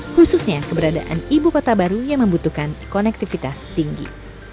khususnya keberadaan ibupata baru yang membutuhkan konektivitas tinggi